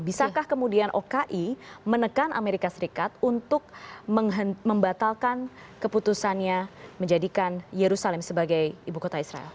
bisakah kemudian oki menekan amerika serikat untuk membatalkan keputusannya menjadikan yerusalem sebagai ibu kota israel